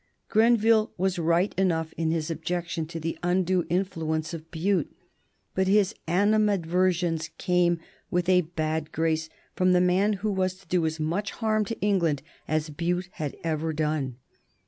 Grenville was right enough in his objection to the undue influence of Bute, but his animadversions came with a bad grace from the man who was to do as much harm to England as Bute had ever done.